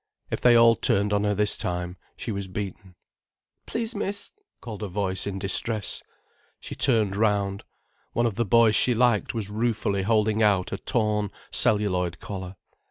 If they all turned on her this time, she was beaten. "Please, miss——" called a voice in distress. She turned round. One of the boys she liked was ruefully holding out a torn celluloid collar.